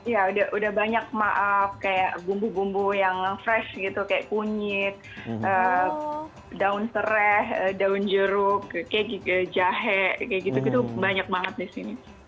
ya udah banyak maaf kayak bumbu bumbu yang fresh gitu kayak kunyit daun serai daun jeruk kayak gitu jahe kayak gitu gitu banyak banget di sini